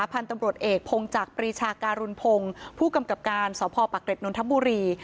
พันธุ์ตำรวจเอกพงจักรปรีชาการุณพงศ์ผู้กำกับการสพปะเกร็ดนนทบุรี